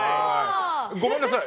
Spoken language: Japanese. ごめんなさい。